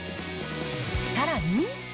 さらに。